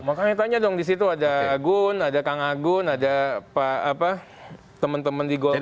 makanya tanya dong di situ ada agun ada kang agun ada teman teman di golkar